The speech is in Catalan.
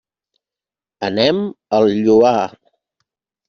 Anem al Lloar.